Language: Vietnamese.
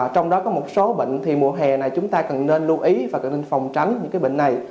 trong đó có một số bệnh thì mùa hè này chúng ta cần nên lưu ý và cần nên phòng tránh những bệnh này